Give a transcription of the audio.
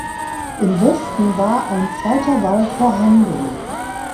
Im Westen war ein zweiter Wall vorhanden.